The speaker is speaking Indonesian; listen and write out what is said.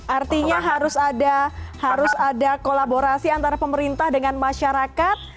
artinya harus ada kolaborasi antara pemerintah dengan masyarakat